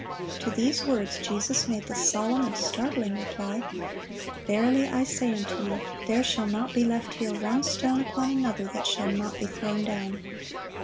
(29) To these words, Jesus made the solemn and startling reply, "Verily I say unto you, There shall not be left here one stone upon another, that shall not be thrown down."